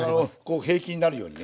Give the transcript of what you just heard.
こう平均になるようにね。